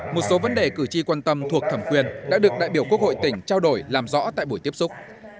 một số vấn đề cử tri quan tâm thuộc thẩm quyền đã được đại biểu quốc hội tỉnh trao đổi làm rõ tại buổi tiếp xúc